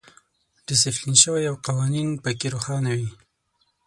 ډیسپلین شوی او قوانین پکې روښانه وي.